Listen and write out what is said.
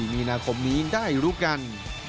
มีนาคมนี้ได้รู้กัน